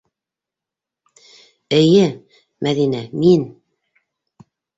Эйе, Мәҙинә мин.